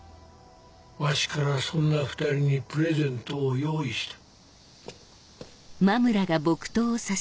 わしからそんな２人にプレゼントを用意した。